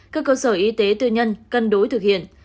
các cơ sở y tế tư nhân cân đối thực hiện